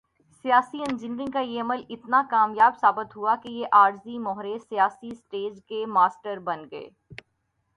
سیاسی انجینئرنگ کا یہ عمل اتنا کامیاب ثابت ہوا کہ یہ عارضی مہرے سیاسی سٹیج کے ماسٹر بن گئے۔